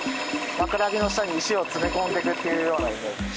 枕木の下に石を詰め込んでいくっていうようなイメージです。